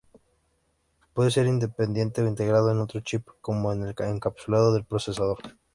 Puede ser independiente o integrado en otro chip como en el encapsulado del procesador.